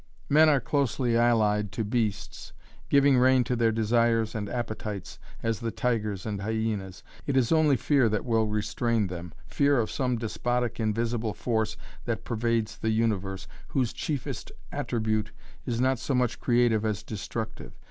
"Men are closely allied to beasts, giving rein to their desires and appetites as the tigers and hyenas. It is only fear that will restrain them, fear of some despotic invisible force that pervades the universe, whose chiefest attribute is not so much creative as destructive.